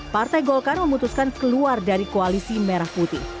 partai golkar memutuskan keluar dari koalisi merah putih